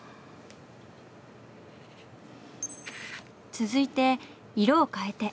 続いて色を変えて。